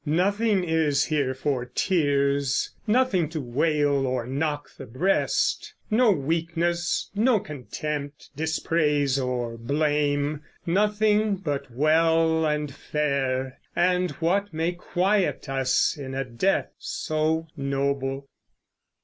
Nothing is here for tears, nothing to wail Or knock the breast, no weakness, no contempt, Dispraise or blame, nothing but well and fair, And what may quiet us in a death so noble.